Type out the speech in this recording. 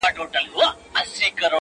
ستا د سترگو جام مي د زړه ور مات كـړ.